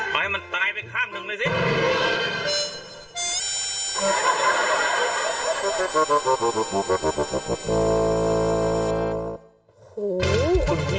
ให้มันตายไปข้างหนึ่งเลยสิ